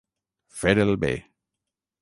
Fer el bé.